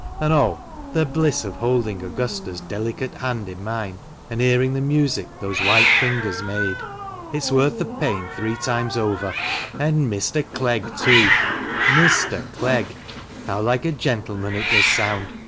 And, oh ! the bliss of holding Augusta's delicate hand in mine, and hearing the music those white fingers made. It's worth the pain three times over. And Mr. Clegg, too ! Mr. Clegg ! How like a gentleman it does sound